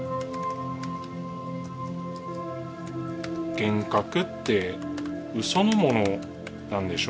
「幻覚ってうそのものなんでしょ？」